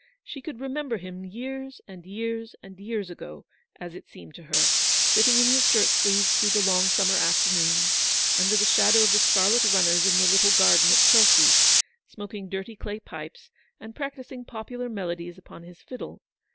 She could remember him years, and years, and years ago, as it seemed to her, sitting in his shirt sleeves through the long WAITING. 101 summer afternoons, under the shadow of the scarlet runners in the little garden at Chelsea, smoking dirty clay pipes and practising popular melodies upon his fiddle.